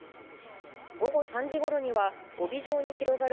午後３時ごろには帯状に広がる